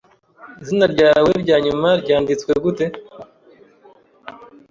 Izina ryawe ryanyuma ryanditswe gute?